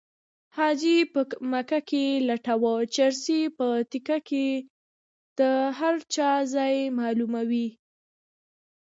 حاجي په مکه کې لټوه چرسي په تکیه کې د هر چا ځای معلوموي